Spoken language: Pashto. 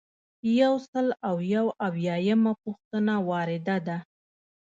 یو سل او یو اویایمه پوښتنه وارده ده.